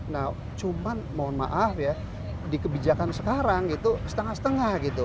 nah cuman mohon maaf ya di kebijakan sekarang gitu setengah setengah gitu